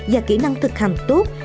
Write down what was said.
và kỹ năng thực hành tốt